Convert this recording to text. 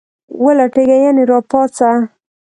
ولټیږه ..یعنی را پاڅه